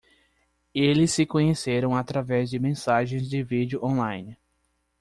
Eles se conheceram através de mensagens de vídeo on-line.